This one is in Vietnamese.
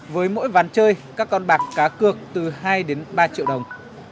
với mỗi ván chơi các con bạc cá cược từ hai đến ba triệu đồng